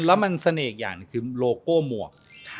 แล้วมันเสน่ห์อีกอย่างหนึ่งคือโลโก้หมวก